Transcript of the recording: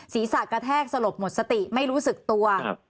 ศีรษะกระแทกสลบหมดสติไม่รู้สึกตัว